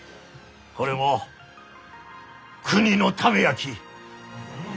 これも国のためやき。